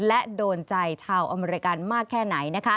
และโดนใจชาวอเมริกันมากแค่ไหน